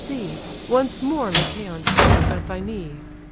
see, Once more Lycaon trembles at thy knee.